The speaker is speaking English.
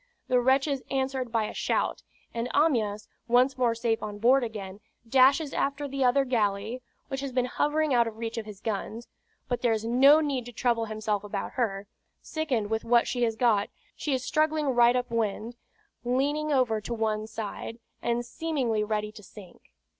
The wretches answered by a shout; and Amyas, once more safe on board again, dashes after the other galley, which has been hovering out of reach of his guns; but there is no need to trouble himself about her; sickened with what she has got, she is struggling right up wind, leaning over to one side, and seemingly ready to sink.